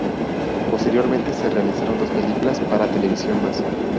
Posteriormente se realizaron dos películas para televisión más.